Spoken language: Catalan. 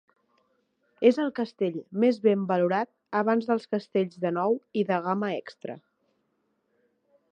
És el castell més ben valorat abans dels castells de nou i de gamma extra.